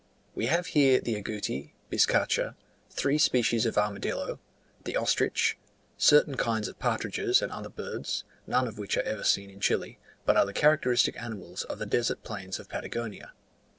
We here have the agouti, bizcacha, three species of armadillo, the ostrich, certain kinds of partridges and other birds, none of which are ever seen in Chile, but are the characteristic animals of the desert plains of Patagonia.